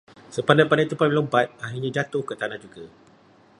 Sepandai-pandai tupai melompat, akhirnya jatuh ke tanah juga.